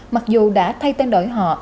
mặc dù đã thay tên đổi họ